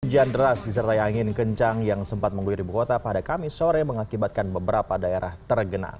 hujan deras disertai angin kencang yang sempat mengguyur ibu kota pada kamis sore mengakibatkan beberapa daerah tergenang